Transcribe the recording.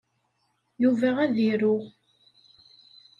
Yuba ad iru.